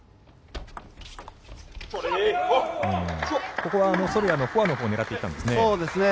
ここはソルヤのフォアのほうを狙っていったんですね。